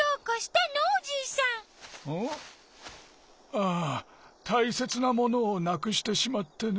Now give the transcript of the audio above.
ああたいせつなものをなくしてしまってね。